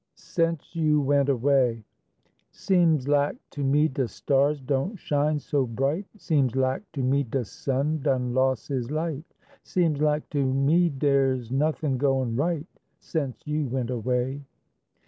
SENCE YOU WENT AWAY Seems lak to me de stars don't shine so bright, Seems lak to me de sun done loss his light, Seems lak to me der's nothin' goin' right, Sence you went away.